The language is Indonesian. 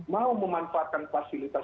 mau memanfaatkan fasilitas